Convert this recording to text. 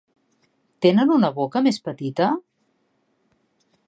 Tenen una boca més petita?